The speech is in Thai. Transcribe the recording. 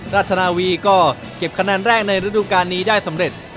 ราชนาวีก็เก็บคะแนนแรกในฤดูการนี้ได้สำเร็จ